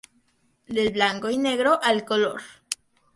Del blanco y negro al color.